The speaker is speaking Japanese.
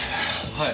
はい。